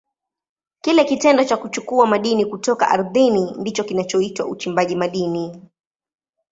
Kile kitendo cha kuchukua madini kutoka ardhini ndicho kinachoitwa uchimbaji madini.